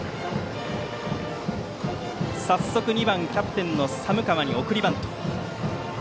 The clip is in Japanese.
早速、２番でキャプテンの寒川に送りバント。